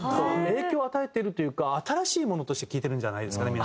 影響を与えてるというか新しいものとして聴いてるんじゃないですかね